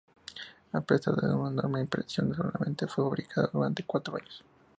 A pesar de su enorme impresión, solamente fue fabricada durante cuatro años.